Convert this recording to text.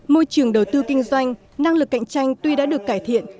môi trường đầu tư kinh doanh năng lực cạnh tranh tuy đã được cải thiện